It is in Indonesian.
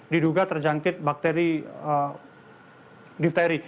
diduga terjangkit bakteri diphteri